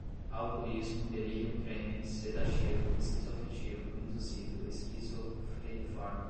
alcoolismo, delirium tremens, sedativo, esquizoafetivo, induzido, esquizofreniforme